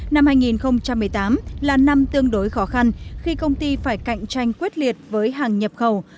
năm hai nghìn một mươi tám là năm tương đối khó khăn khi công ty phải cạnh tranh quyết liệt với hàng nhập khẩu